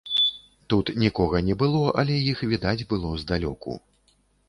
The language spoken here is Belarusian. Тут нікога не было, але іх відаць было здалёку.